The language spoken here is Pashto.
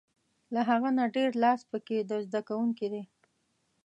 له هغه نه ډېر لاس په کې د زده کوونکي دی.